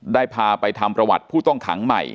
ได้พาไปทำประวัติผู้ต้องขังใหม่